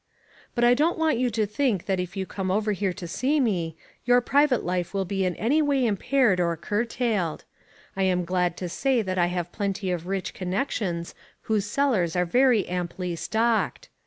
But I don't want you to think that if you come over here to see me, your private life will be in any way impaired or curtailed. I am glad to say that I have plenty of rich connections whose cellars are very amply stocked.